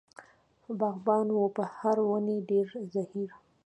باغبان و په هرې ونې ډېر زهیر.